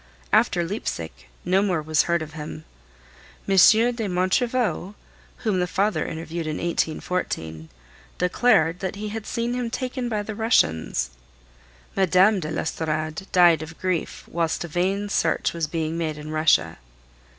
After Leipsic no more was heard of him. M. de Montriveau, whom the father interviewed in 1814, declared that he had seen him taken by the Russians. Mme. de l'Estorade died of grief whilst a vain search was being made in Russia.